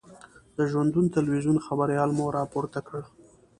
د ژوندون تلویزون خبریال مو را پورته کړ.